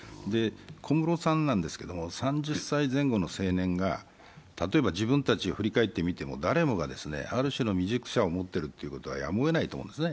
小室さんなんですけど３０歳前後の青年が、例えば自分たちを振り返ってみても誰もがある種の未熟さを持っているのはやむをえないと思うんですね。